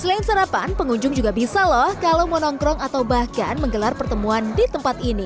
selain sarapan pengunjung juga bisa loh kalau mau nongkrong atau bahkan menggelar pertemuan di tempat ini